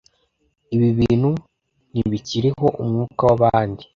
ibi bintu ntibikiriho umwuka wabandi